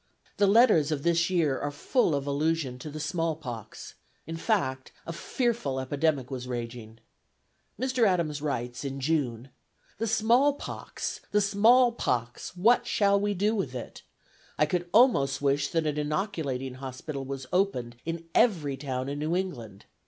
The letters of this year are full of allusion to the small pox; in fact, a fearful epidemic was raging. Mr. Adams writes in June: "The small pox! the small pox! what shall we do with it? I could almost wish that an inoculating hospital was opened in every town in New England.